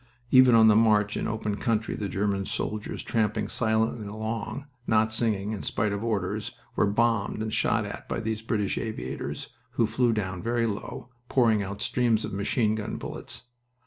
Even on the march in open country the German soldiers tramping silently along not singing in spite of orders were bombed and shot at by these British aviators, who flew down very low, pouring out streams of machine gun bullets.